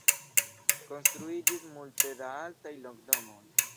Konstruiĝis multe da altaj loĝdomoj.